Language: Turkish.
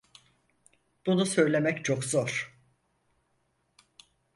Bunu söylemek çok zor.